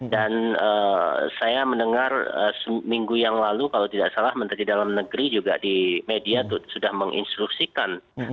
dan saya mendengar seminggu yang lalu kalau tidak salah menteri dalam negeri juga di media sudah menginstruksikan